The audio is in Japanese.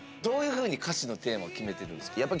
どういうふうに歌詞のテーマを決めてるんですか？